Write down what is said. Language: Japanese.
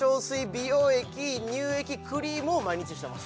美容液乳液クリームを毎日してます